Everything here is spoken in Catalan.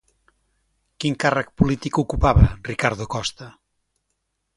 Quin càrrec polític ocupava Ricardo Costa?